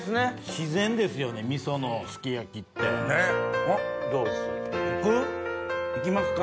自然ですよね味噌のすき焼きって。行く？行きますか？